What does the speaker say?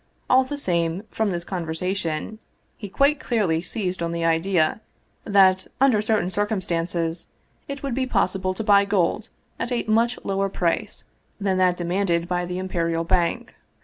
All the same, from this conversation, he quite clearly seized on the idea that under certain circum stances it would be possible to buy gold at a much lower price than that demanded by the Imperial Bank.